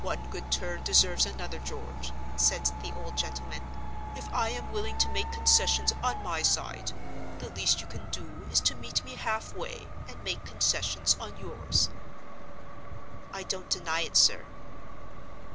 "One good turn deserves another, George," said the old gentleman. "If I am willing to make concessions on my side, the least you can do is to meet me half way, and make concessions on yours." "I don't deny it, sir."